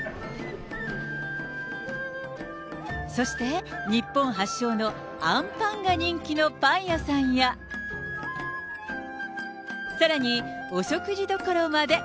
そして日本発祥のあんパンが人気のパン屋さんや、さらにお食事どころまで。